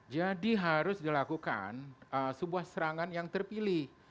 jadi harus dilakukan sebuah serangan yang terpilih